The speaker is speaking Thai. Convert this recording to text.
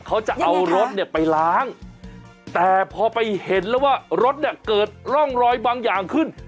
เขาจะเอารถเนี่ยไปล้างแต่พอไปเห็นแล้วว่ารถเนี่ยเกิดร่องรอยบางอย่างขึ้น